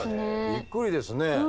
びっくりですね。